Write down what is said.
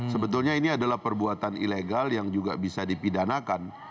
sebetulnya ini adalah perbuatan ilegal yang juga bisa dipidanakan